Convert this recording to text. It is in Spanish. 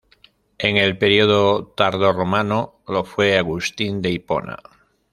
En el periodo tardorromano lo fue Agustín de Hipona.